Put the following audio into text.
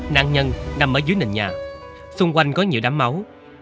nạn nhân nằm ở dưới nền nhà xung quanh có nhiều đám máu